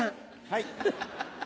はい。